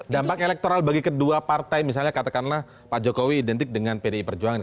dampak elektoral bagi kedua partai misalnya katakanlah pak jokowi identik dengan pdi perjuangan